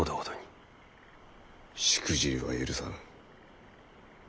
しくじりは許さぬ。